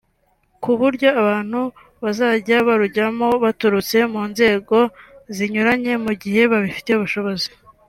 ku buryo abantu bazajya barujyamo baturutse mu nzego zinyuranye mu gihe babifitiye ubushobozi